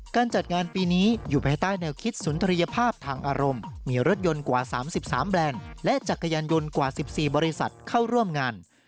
การจัดงานปีนี้อยู่ภายใต้แนวคิดสุนทรียภาพทางอารมณ์มีรถยนต์กว่า๓๓แบรนด์และจักรยานยนต์กว่า๑๔บริษัทเข้าร่วมงาน